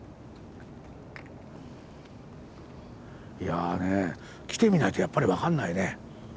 いやね来てみないとやっぱり分かんないね。